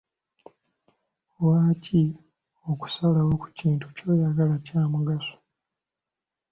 Lwaki okusalawo ku kintu ky'oyagala kya mugaso?